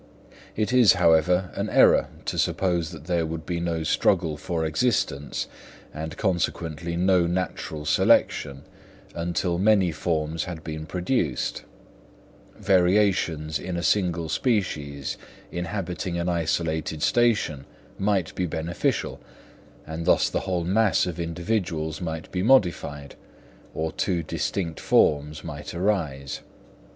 It is, however, an error to suppose that there would be no struggle for existence, and, consequently, no natural selection, until many forms had been produced: variations in a single species inhabiting an isolated station might be beneficial, and thus the whole mass of individuals might be modified, or two distinct forms might arise.